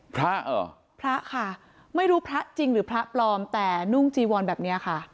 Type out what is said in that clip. พระเหรอพระค่ะไม่รู้พระจริงหรือพระปลอมแต่นุ่งจีวอนแบบนี้ค่ะ